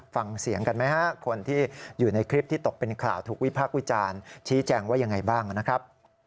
ฟังเสียงกันไหมฮะคนที่อยู่ในคลิปที่ตกเป็นข่าวถูกวิพากษ์วิจารณ์ชี้แจงว่ายังไงบ้างนะครับ